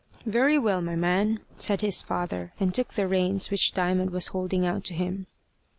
"Very well, my man," said his father, and took the reins which Diamond was holding out to him.